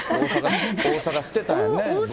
大阪捨てたんやね。